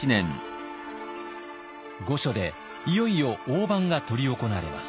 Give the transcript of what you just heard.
御所でいよいよ飯が執り行われます。